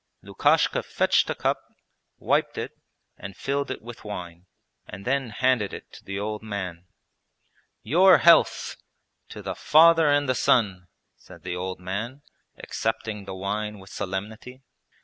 Lukashka fetched a cup, wiped it and filled it with wine, and then handed it to the old man. 'Your health! To the Father and the Son!' said the old man, accepting the wine with solemnity.